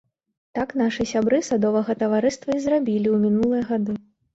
Так нашы сябры садовага таварыства і зрабілі ў мінулыя гады.